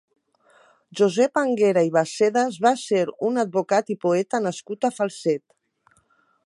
Josep Anguera i Bassedas va ser un advocat i poeta nascut a Falset.